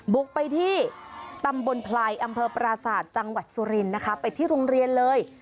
บุกไปที่ตำบลไพรอำเภอปราศาสตร์จังหวัดสุรินทร์นะคะไปที่โรงเรียนเลย